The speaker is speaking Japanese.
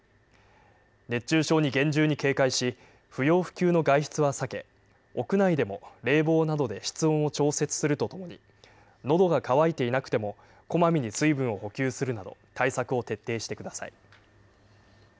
熱中症に厳重に警戒し、不要不急の外出は避け、屋内でも冷房などで室温を調節するとともに、のどが渇いていなくても、こまめに水分を補給するなど、対策を徹底してください。